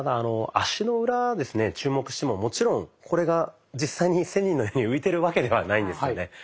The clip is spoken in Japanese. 足の裏ですね注目してももちろんこれが実際に仙人のように浮いてるわけではないんですよね。